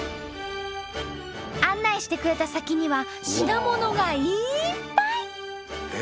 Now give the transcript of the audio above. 案内してくれた先には品物がいっぱい！